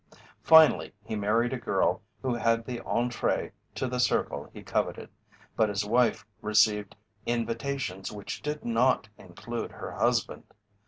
Finally he married a girl who had the entrée to the circle he coveted, but his wife received invitations which did not include her husband.